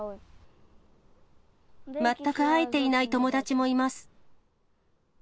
全く会えていない友達もいます。